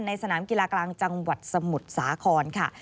สนามกีฬากลางจังหวัดสมุทรสาครค่ะ